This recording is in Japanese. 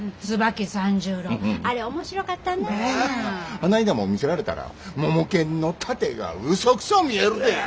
あないなもん見せられたらモモケンの殺陣がうそくそう見えるで。